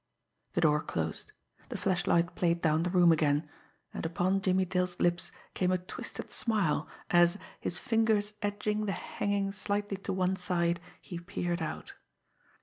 The door closed. The flashlight played down the room again and upon Jimmie Dale's lips came a twisted smile, as, his fingers edging the hanging slightly to one side, he peered out.